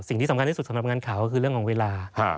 สิ่งที่สำคัญที่สุดสำหรับงานข่าวก็คือเรื่องของเวลา